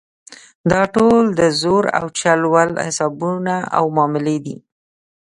دا ټول د زور او چل ول حسابونه او معاملې دي.